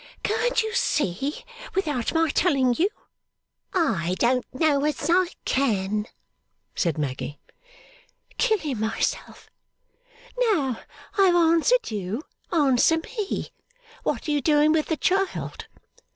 'Can't you see, without my telling you?' 'I don't know as I can,' said Maggy. 'Killing myself! Now I have answered you, answer me. What are you doing with the child?